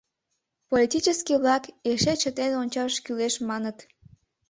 Политический-влак «эше чытен ончаш кӱлеш» маныт.